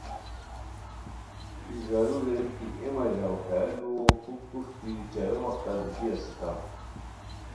ای زارو ریر کی اے مہ ژاؤ ہیہ لُوؤ پُھک پروشٹی چایو وختہ دیتی اسیتام